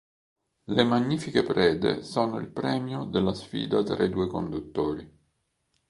Le Magnifiche Prede sono il premio della sfida tra i due conduttori.